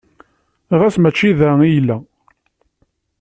Ɣas mačči da i yella?